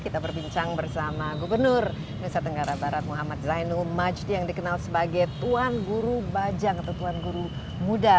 kita berbincang bersama gubernur nusa tenggara barat muhammad zainul majdi yang dikenal sebagai tuan guru bajang atau tuan guru muda